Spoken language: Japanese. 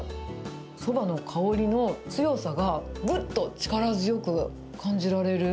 そばの香りの強さがぐっと力強く感じられる。